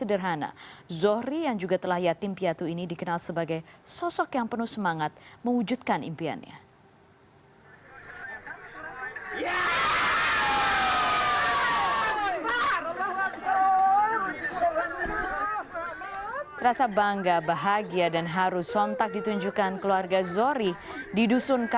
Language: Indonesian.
indonesia tidak memiliki sejarah yang kuat untuk menarik